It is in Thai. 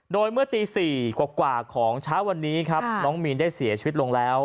โดยเมื่อตี๔กว่าของเช้าวันนี้ครับน้องมีนได้เสียชีวิตลงแล้ว